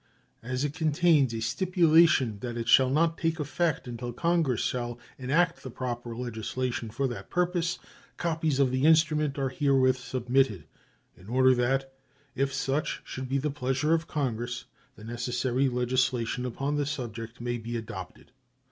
As it contains a stipulation that it shall not take effect until Congress shall enact the proper legislation for that purpose, copies of the instrument are herewith submitted, in order that, if such should be the pleasure of Congress, the necessary legislation upon the subject may be adopted.